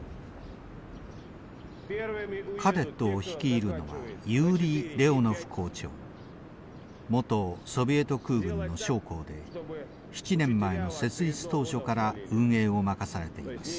カデットを率いるのは元ソビエト空軍の将校で７年前の設立当初から運営を任されています。